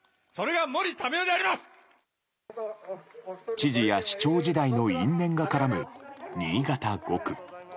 知事や市長時代の因縁が絡む新潟５区。